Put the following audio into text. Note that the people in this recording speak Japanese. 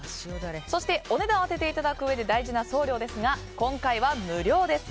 そして、お値段を当てていただくうえで大事な送料ですが今回は無料です。